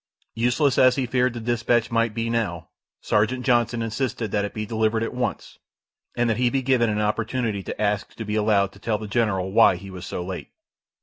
Useless as he feared the dispatch might be now, Sergeant Johnson insisted that it be delivered at once, and that he be given an opportunity to ask to be allowed to tell the general why he was so late.